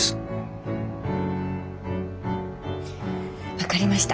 分かりました。